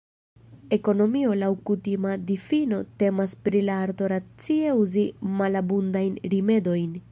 Ekonomio laŭ kutima difino temas pri la arto racie uzi malabundajn rimedojn.